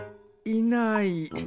いない。